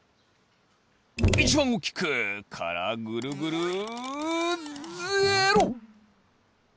いちばんおおきく！からぐるぐるゼロ！